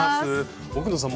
奥野さん